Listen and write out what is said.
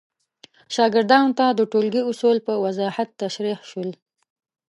شاګردانو ته د ټولګي اصول په وضاحت تشریح شول.